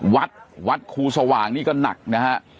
วัดวัดครูสว่างนี่ก็หนักนะฮะ